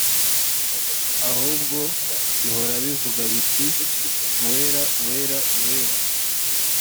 ahubwo bihora bivuga biti “uwera, uwera, uwera”